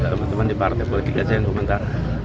teman teman di partai bulgiga saya yang meminta